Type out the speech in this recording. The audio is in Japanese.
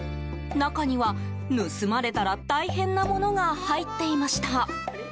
中には、盗まれたら大変なものが入っていました。